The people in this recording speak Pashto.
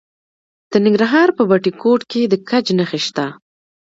د ننګرهار په بټي کوټ کې د ګچ نښې شته.